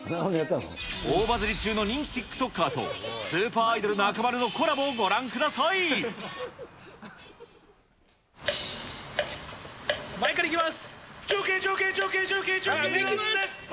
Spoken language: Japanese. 大バズり中の人気ティックトッカーと、スーパーアイドル、中丸のコラボをご覧くだ前からいきます。